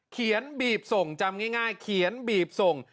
บีบส่งจำง่ายเขียนบีบส่ง